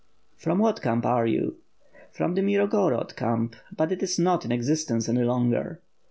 "From what camp are you?" "From the Mirgorod camp, but it is not in existence any longer."